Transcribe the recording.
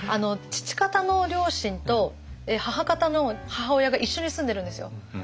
父方の両親と母方の母親が一緒に住んでるんですよ。